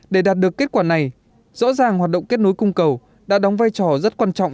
để đạt được kết quả này rõ ràng hoạt động kết nối cung cầu đã đóng vai trò rất quan trọng